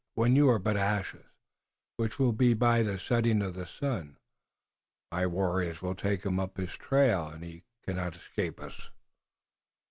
When you are but ashes, which will be by the setting of the sun, my warriors will take up his trail, and he cannot escape us."